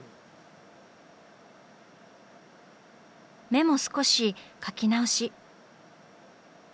目も少し描き直し。